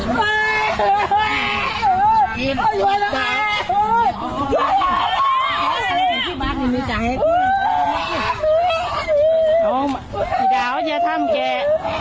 มียังมีขาให้ทุกอย่างสวัสดีห้องมาไอ้เด๋าอย่าทำแก